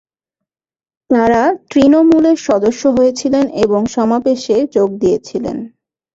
তারা তৃণমূলের সদস্য হয়েছিলেন এবং সমাবেশে যোগ দিয়েছিলেন।